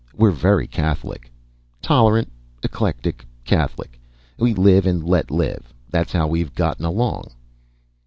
We're very catholic. Tolerant, eclectic, catholic. We live and let live. That's how we've gotten along."